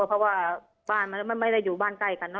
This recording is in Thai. เพราะว่าบ้านมันก็ไม่ได้อยู่บ้านใกล้กันเน